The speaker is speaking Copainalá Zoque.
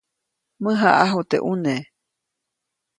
Mäjaʼaju teʼ ʼune.